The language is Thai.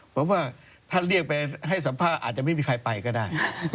ผมว่าถ้าเรียกไปให้สัมภาษณ์อาจจะไม่มีใครไปก็ได้